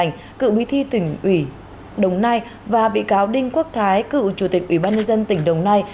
trần đình thái cựu bí thi tỉnh đồng nai và bị cáo đinh quốc thái cựu chủ tịch ủy ban nhân dân tỉnh đồng nai